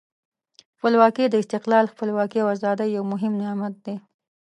خپلواکي د استقلال، خپلواکي او آزادۍ یو مهم نعمت دی.